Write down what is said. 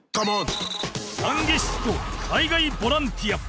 「懺悔室」と「海外ボランティア」